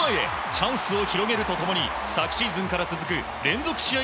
チャンスを広げると共に昨シーズンから続く連続試合